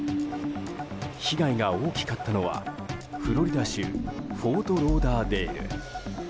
被害が大きかったのはフロリダ州フォートローダーデール。